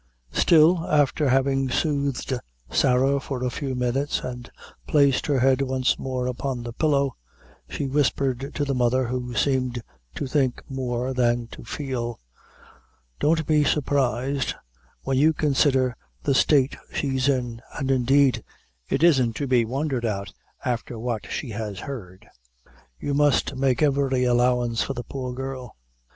Still, after having soothed Sarah for a few minutes, and placed her head once more upon the pillow, she whispered to the mother, who seemed to think more than to feel: "Don't be surprised; when you consider the state she's in and indeed it isn't to be wondered at after what she has heard you must make every allowance for the poor girl."